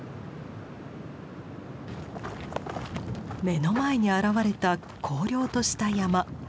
目の前に現れた荒涼とした山。